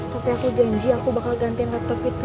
tapi aku janji aku bakal gantiin laptop itu